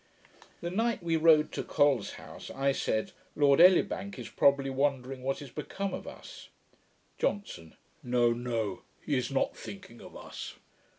The night we rode to Col's house, I said, 'Lord Elibank is probably wondering what is become of us.' JOHNSON. 'No, no; he is not thinking of us.'